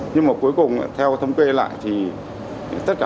nhưng mà cuối cùng theo thống kê lại thì tất cả con bạc không có đối tượng nào thắng cả